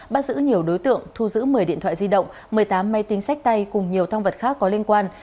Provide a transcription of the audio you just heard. bắt giữ nhiều đối tượng thu giữ một mươi điện thoại di động một mươi tám máy tính sách tay cùng nhiều thông vật khác có liên quan